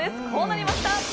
こうなりました。